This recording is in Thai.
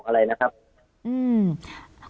เขาไม่ได้บอกอะไรนะครับ